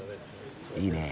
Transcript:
いいねえ。